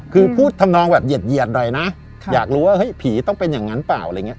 คือพูดทำนองแบบเหยียดหน่อยนะอยากรู้ว่าเฮ้ยผีต้องเป็นอย่างนั้นเปล่าอะไรอย่างนี้